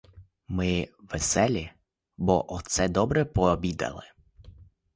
Ми веселі, бо оце добре пообідали.